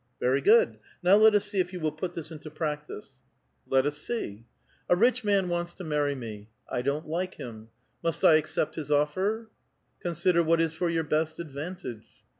"Very good. Now let us see if you will put this into practice." '^ Let us see." '*A rich man wants to marry me. I don't like him. Must I accept his offer ?"*' Consider what is for your best advantage."